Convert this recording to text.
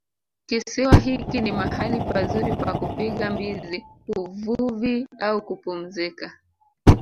Kisiwa hiki ni mahali pazuri pa kupiga mbizi uvuvi au kupumzika